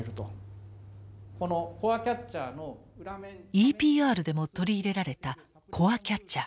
ＥＰＲでも取り入れられたコアキャッチャー。